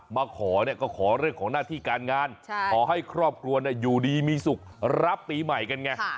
มาขอเนี่ยก็ขอเรื่องของหน้าที่การงานขอให้ครอบครัวอยู่ดีมีสุขรับปีใหม่กันไง